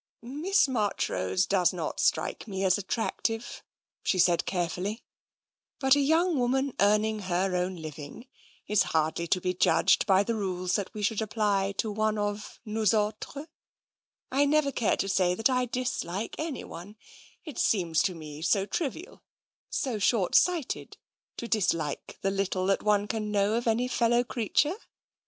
" Miss Marchrose does not strike m^ as attractive," she said carefully, " but a young woman earning her own living is hardly to be judged by the rules that we should apply to one of nous autres, I never care to say that I dislike anyone — it seems to me so trivial, so short sighted, to dislike the little that one can know of any fellow creature.